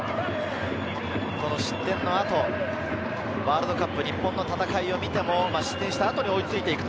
失点の後、ワールドカップ、日本の戦いを見ても失点した後に追いついていく。